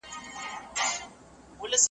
هغه بل دي جېب ته ګوري وايی ساندي .